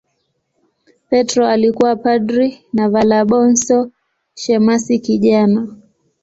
Petro alikuwa padri na Valabonso shemasi kijana.